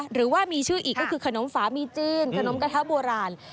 หรือว่ามีชื่ออีกก็คือขนมฝามีจื้นขนมกระทะโบราณ